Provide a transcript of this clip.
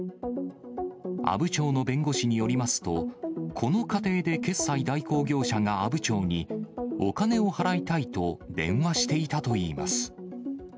阿武町の弁護士によりますと、この過程で決済代行業者が阿武町に、お金を払いたいと電話していたといいます。